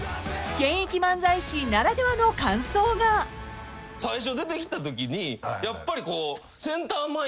［現役漫才師ならではの感想が］最初出てきたときにやっぱり。